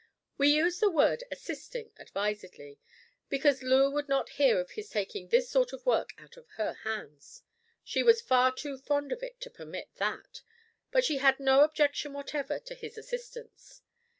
We use the word `assisting' advisedly, because Loo would not hear of his taking this sort of work out of her hands. She was far too fond of it to permit that, but she had no objection whatever to his assistance.